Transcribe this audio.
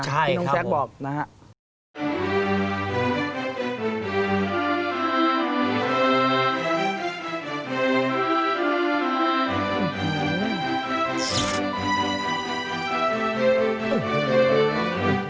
ที่น้องแจ๊คบอกนะครับ